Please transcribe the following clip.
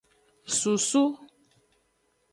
Susu.